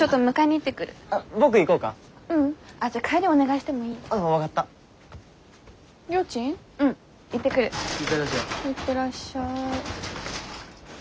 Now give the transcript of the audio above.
行ってらっしゃい。